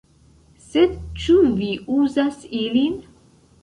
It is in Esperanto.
"Sed ĉu vi uzas ilin?"